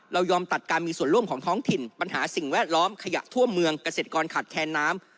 เรายอมตัดการมีส่วนร่วมของท้องถิ่นปัญหาสิ่งแวดล้อมขยะทั่วเมืองเกษตรกรขาดแคลนน้ำ